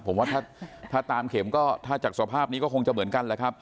ผมว่าถ้าตามเข็มก็ถ้าจากสภาพนี้ก็คงจะเหมือนกันแหละครับ